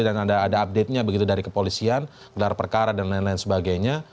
dan ada update nya begitu dari kepolisian gelar perkara dan lain lain sebagainya